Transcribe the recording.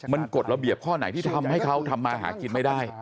มันกฎระเบียบข้อไหนที่ทำให้เขาทำมาหากินไม่ได้